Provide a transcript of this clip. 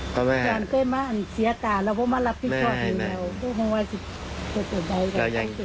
เพราะว่า